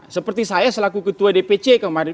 seperti saya selaku ketua dpc kemarin